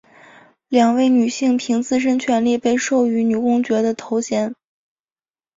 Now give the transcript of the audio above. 两位女性凭自身权利被授予女公爵的头衔。